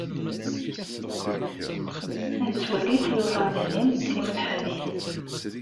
Ad nettwali tiyuẓaḍ-im timelḥanin.